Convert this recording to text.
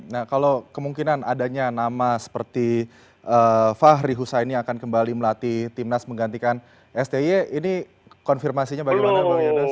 nah kalau kemungkinan adanya nama seperti fahri husaini akan kembali melatih timnas menggantikan sti ini konfirmasinya bagaimana bang yos